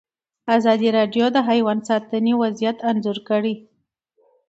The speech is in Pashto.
ازادي راډیو د حیوان ساتنه وضعیت انځور کړی.